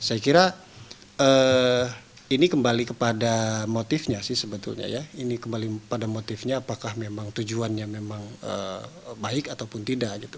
saya kira ini kembali kepada motifnya apakah memang tujuannya baik ataupun tidak